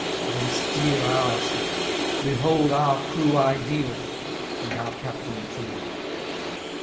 They steer our ship: behold our crew Ideal, and our Captain too.